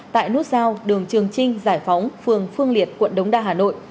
tại nút giao đường trường trinh giải phóng phường phương liệt quận đống đa hà nội